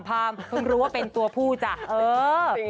เพิ่งรู้ว่าเป็นตัวผู้จ้ะเออ